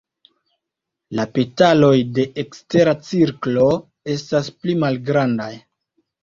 La petaloj de ekstera cirklo estas pli malgrandaj.